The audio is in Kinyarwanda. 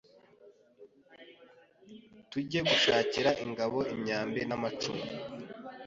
tujye gushakira ingabo imyambi n’amacumu